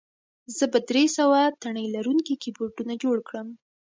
زه به درې سوه تڼۍ لرونکي کیبورډونه جوړ کړم